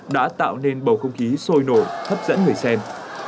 đã tạo nên bầu không khí sôi nổi hấp dẫn người xem